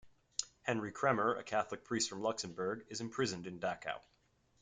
Henri Kremer, a Catholic priest from Luxemburg, is imprisoned in Dachau.